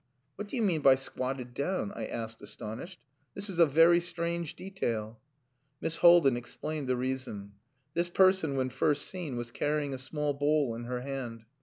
"What do you mean by squatted down?" I asked, astonished. "This is a very strange detail." Miss Haldin explained the reason. This person when first seen was carrying a small bowl in her hand.